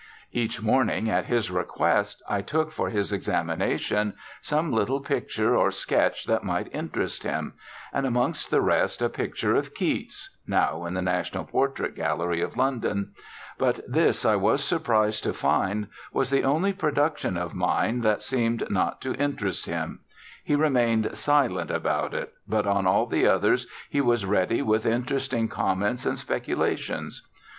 Each morning, at his request, I took for his examination some little picture or sketch that might interest him, and amongst the rest a picture of Keats, (now in the National Portrait Gallery of London,) but this I was surprised to find was the only production of mine that seemed not to interest him; he remained silent about it, but on all the others he was ready with interesting comments and speculations.